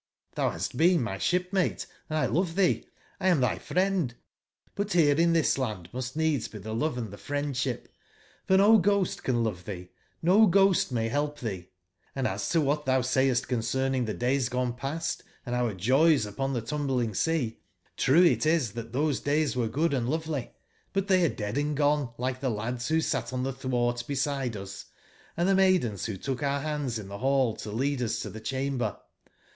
TIbou bast been my sbipmate and X love tbee, 1 am tby friend ; but bere in tbis land must needs be tbe love and tbe friendsbip.fornogbostcanlovetbee, nogbostmay belp tbee. Hnd as to wbat tbou say est concerning tbe days gone past and our joys upon tbe tumbling sea, true it is tbat tbose days were good and lovely; but tbey are dead and gone like tbe lads wbo sat on tbe tbwart beside us, & tbe maidens wbo took our bands in tbe ball to lead us to tbe cbamber.